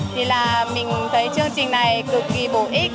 thì là mình thấy chương trình này cực kỳ bổ ích